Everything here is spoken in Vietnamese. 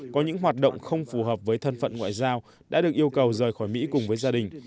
có những hoạt động không phù hợp với thân phận ngoại giao đã được yêu cầu rời khỏi mỹ cùng với gia đình